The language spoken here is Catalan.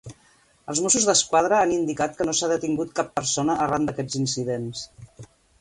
Els Mossos d'Esquadra han indicat que no s'ha detingut cap persona arran d'aquests incidents.